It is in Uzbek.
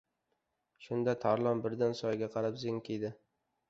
Shunda Tarlon birdan... soyga qarab zinkiydi.